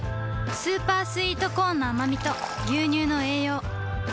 スーパースイートコーンのあまみと牛乳の栄養